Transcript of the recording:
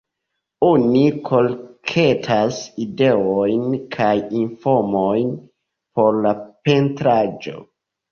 Oni kolektas ideojn kaj informojn por la pentraĵo.